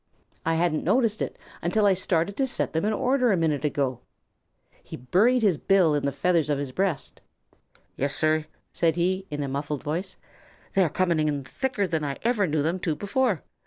I hadn't noticed it until I started to set them in order a minute ago." He buried his bill in the feathers of his breast. "Yes, sir," said he in a muffled voice, "they are coming in thicker than I ever knew them to before.